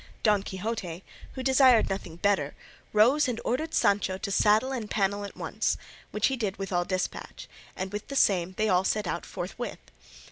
Don Quixote, who desired nothing better, rose and ordered Sancho to saddle and pannel at once, which he did with all despatch, and with the same they all set out forthwith.